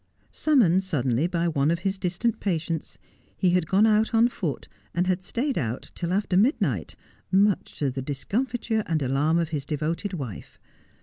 Summoned suddenly by one of his distant patients, he had gone out on foot, and had stayed out till after midnight, much to the discomfiture and alarm of his devoted wife.